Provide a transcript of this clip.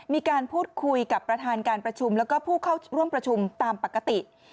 มีการพูดคุยกับประธานการประชุมแล้วก็ผู้เข้าร่วมประชุมตามปกติ